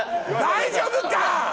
大丈夫か？